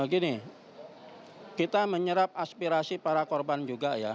begini kita menyerap aspirasi para korban juga ya